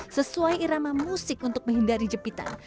sesuai irama musik untuk menghindari jepitan